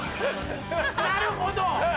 なるほど！